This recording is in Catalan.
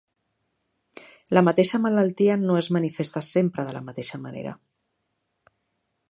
La mateixa malaltia no es manifesta sempre de la mateixa manera.